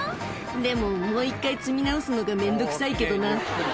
「でももう１回積み直すのが面倒くさいけどな」